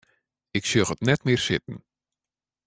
Ik sjoch it net mear sitten.